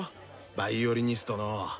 ヴァイオリニストの。